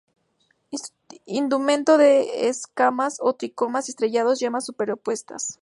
Indumento de escamas o tricomas estrellados; yemas superpuestas.